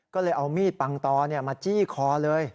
ก็เลยเอามีดปังตอมาจี้คอเลย